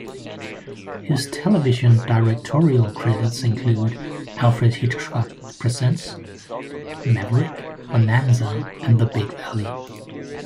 His television directorial credits include "Alfred Hitchcock Presents", "Maverick", "Bonanza" and "The Big Valley".